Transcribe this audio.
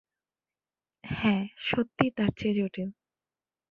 হ্যাঁ, সত্যিই তারচেয়ে জটিল।